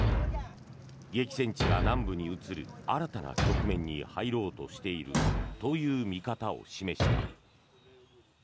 激戦地が南部に移る新たな局面に入ろうとしているという見方を示した。